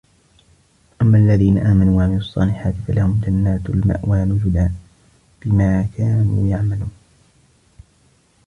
أَمَّا الَّذِينَ آمَنُوا وَعَمِلُوا الصَّالِحَاتِ فَلَهُمْ جَنَّاتُ الْمَأْوَى نُزُلًا بِمَا كَانُوا يَعْمَلُونَ